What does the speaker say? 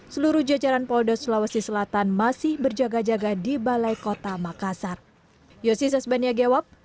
seluruh jajaran polda sulawesi selatan masih berjaga jaga di balai kota makassar